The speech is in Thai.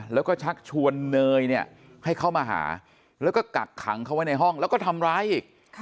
แล้วก็ชักชวนเนยเนี่ยให้เข้ามาหาแล้วก็กักขังเขาไว้ในห้องแล้วก็ทำร้ายอีก